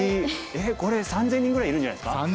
えっこれ３，０００人ぐらいいるんじゃないですか？